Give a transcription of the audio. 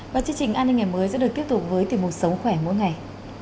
và chương trình an ninh ngày mới sẽ được tiếp tục với tìm một sống khỏe mỗi ngày